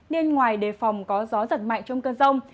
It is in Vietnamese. nên ngoài đề phòng có gió giật mạnh trong cơn rông